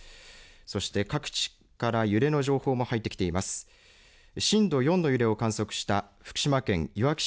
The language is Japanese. そして各地から揺れの情報も入ってきています。